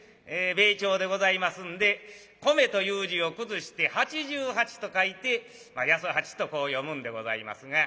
米朝でございますんで「米」という字を崩して八十八と書いて「やそはち」とこう読むんでございますが。